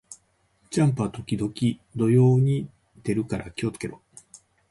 ジャンプは時々土曜に出るから気を付けろ